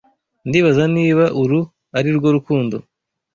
Ndibaza niba uru arirwo rukundo.